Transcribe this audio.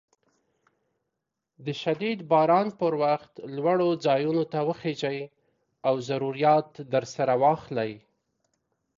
د شديد باران پر وخت لوړو ځايونو ته وخېژئ او ضروريات درسره واخلئ.